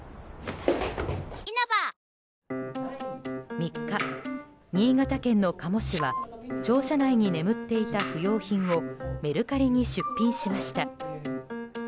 ３日、新潟県の加茂市は庁舎内に眠っていた不用品をメルカリに出品しました。